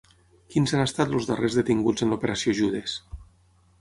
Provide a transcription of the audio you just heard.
Quins han estat els darrers detinguts en l'Operació Judes?